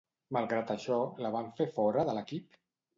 Malgrat això, la van fer fora de l'equip?